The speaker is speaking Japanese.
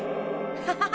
ハハハ！